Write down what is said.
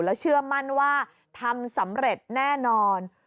แล้วเชื่อมั่นว่าทำสำเร็จแน่นอน